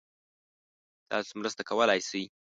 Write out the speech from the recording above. تاسو مرسته کولای شئ؟